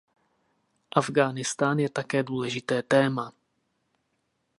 Afghánistán je také důležité téma.